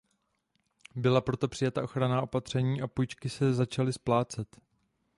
Byla proto přijata ochranná opatření a půjčky se začaly splácet.